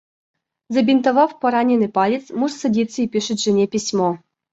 Забинтовав пораненный палец, муж садится и пишет жене письмо.